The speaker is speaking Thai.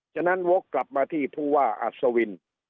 ฉะนั้นวกกลับมาที่ผู้ว่าอัศวิน